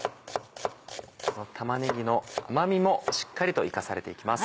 玉ねぎの甘みもしっかりと生かされて行きます。